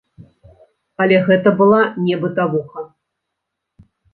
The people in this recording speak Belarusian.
Але гэта была не бытавуха.